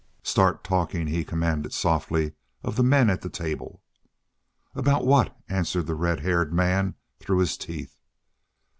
"Start talking," he commanded softly of the men at the table. "About what?" answered the red haired man through his teeth.